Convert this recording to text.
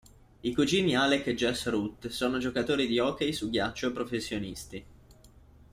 I cugini Alec e Jesse Root sono giocatori di hockey su ghiaccio professionisti.